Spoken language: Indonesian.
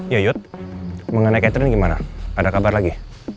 ya yud mengenai catherine gimana ada kabar lagi